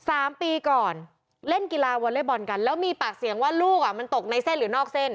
สามปีก่อนเล่นกีฬาวอเล็กบอลกันแล้วมีปากเสียงว่าลูกอ่ะมันตกในเส้นหรือนอกเส้น